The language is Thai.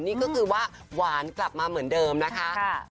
นี่ก็คือว่าหวานกลับมาเหมือนเดิมนะคะ